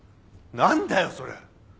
何だよそれ。